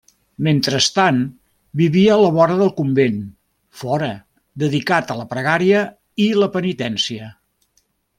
Mentrestant, vivia a la vora del convent, fora, dedicat a la pregària i la penitència.